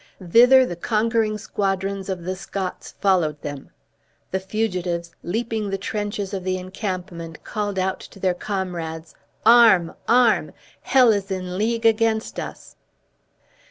Thither the conquering squadrons of the Scots followed them. The fugitives, leaping the trenches of the encampment, called out to their comrades: "Arm! arm! Hell is in league against us!"